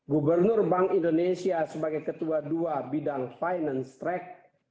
gubernur bank indonesia sebagai ketua dua bidang finanstrek